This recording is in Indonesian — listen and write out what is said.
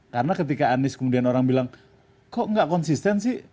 karena ketika anies kemudian orang bilang kok gak konsisten sih